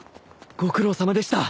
ご苦労さまでした。